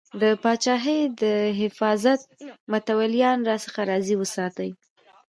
د پاچاهۍ د حفاظت متولیان راڅخه راضي وساتې.